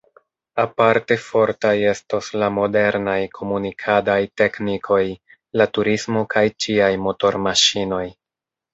Aparte fortaj estos la modernaj komunikadaj teknikoj, la turismo kaj ĉiaj motormaŝinoj.